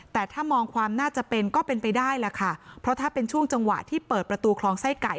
แต่ถ้ามองความน่าจะเป็นก็เป็นไปได้แหละค่ะเพราะถ้าเป็นช่วงจังหวะที่เปิดประตูคลองไส้ไก่